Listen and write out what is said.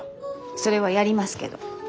それはやりますけど。